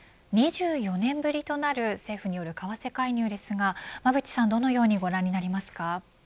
２４年ぶりとなる政府による為替介入ですが馬渕さん、どのようにご覧になりますか。